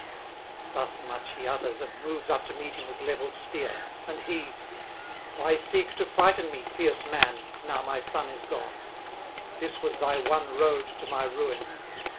...' Thus much he utters, and moves up to meet him with levelled spear. And he: 'Why seek to frighten me, fierce man, now my son is gone? this was thy one road to my ruin.